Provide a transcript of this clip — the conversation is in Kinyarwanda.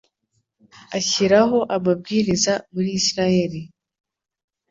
ashyiraho amabwiriza muri Israheli